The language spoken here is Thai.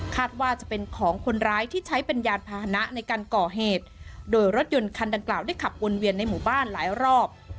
ว่าจะเป็นของคนร้ายที่ใช้เป็นยานพาหนะในการก่อเหตุโดยรถยนต์คันดังกล่าวได้ขับวนเวียนในหมู่บ้านหลายรอบ